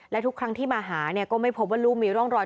และทุกครั้งที่มาหาเนี่ยก็ไม่พบว่าลูกมีร่องรอย